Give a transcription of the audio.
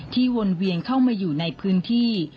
วนเวียนเข้ามาอยู่ในพื้นที่